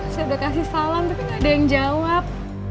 saya udah kasih salam tapi gak ada yang jawab